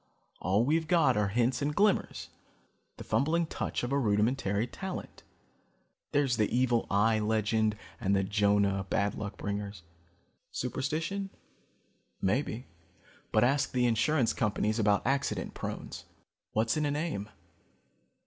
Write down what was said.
All we've got are hints and glimmers, the fumbling touch of a rudimentary talent. There's the evil eye legend and the Jonah, bad luck bringers. Superstition? Maybe; but ask the insurance companies about accident prones. What's in a name?